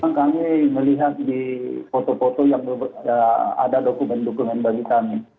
memang kami melihat di foto foto yang ada dokumen dokumen bagi kami